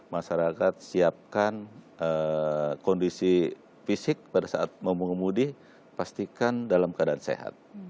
masyarakat siapkan kondisi fisik pada saat mau mengemudi pastikan dalam keadaan sehat